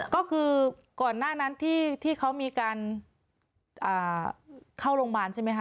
ก็คือก่อนหน้านั้นที่เขามีการเข้าโรงพยาบาลใช่ไหมคะ